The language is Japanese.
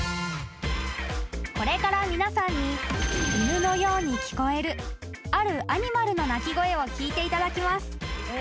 ［これから皆さんに犬のように聞こえるあるアニマルの鳴き声を聞いていただきます］